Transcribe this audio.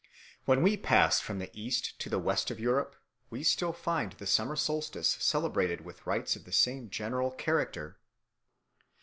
When we pass from the east to the west of Europe we still find the summer solstice celebrated with rites of the same general character.